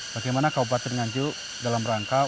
bagaimana kepala bapak kepala nganjuk